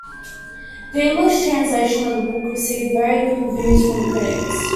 The English translation of the book received very good reviews from critics.